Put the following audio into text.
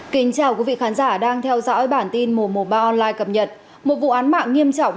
xin chào quý vị khán giả đang theo dõi bản tin mùa một mươi ba online cập nhật một vụ án mạng nghiêm trọng